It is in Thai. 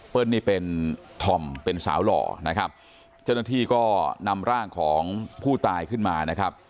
นี่เป็นธอมเป็นสาวหล่อนะครับเจ้าหน้าที่ก็นำร่างของผู้ตายขึ้นมานะครับ